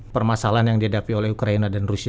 permasalahan yang dihadapi oleh ukraina dan rusia